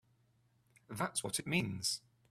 That's what it means!